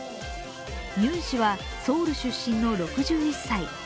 ユン氏はソウル出身の６１歳。